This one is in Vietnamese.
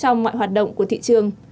trong mọi hoạt động của thị trường